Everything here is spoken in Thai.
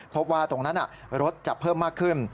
พบว่าตรงนั้นรถจะเพิ่มมากขึ้น